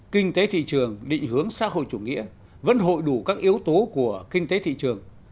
kinh tế thị trường định hướng xã hội chủ nghĩa vẫn hội đủ các yếu tố của kinh tế thị trường